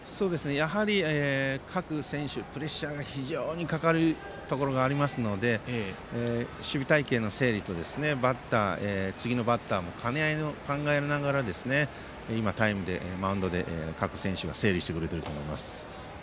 やはり各選手プレッシャーが非常にかかるところがありますので守備隊形の整理とバッターそして次のバッターとの兼ね合いも考えながら今、タイムでマウンドで各選手が整理していると思います。